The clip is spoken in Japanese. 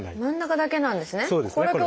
真ん中だけなんですね。